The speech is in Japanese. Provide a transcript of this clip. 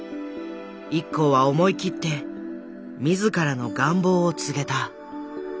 ＩＫＫＯは思い切って自らの願望を告げた。